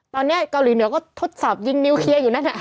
ตอนนี้เกาหลีเหนือก็ทดสอบยิงนิวเคลียร์อยู่นั่น